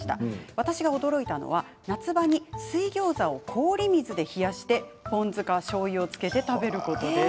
私が驚いたのは夏場に水ギョーザを氷水で冷やしてポン酢としょうゆを付けて食べることです。